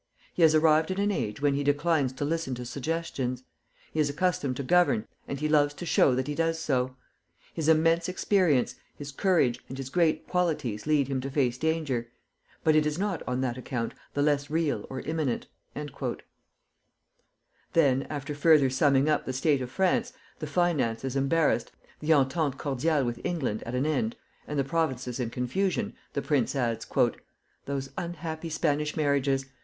He has arrived at an age when he declines to listen to suggestions. He is accustomed to govern, and he loves to show that he does so. His immense experience, his courage, and his great qualities lead him to face danger; but it is not on that account the less real or imminent." Then, after further summing up the state of France, the finances embarrassed, the entente cordiale with England at an end, and the provinces in confusion, the prince adds: "Those unhappy Spanish marriages!